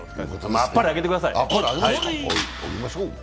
あっぱれあげてください。